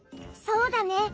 そうだね。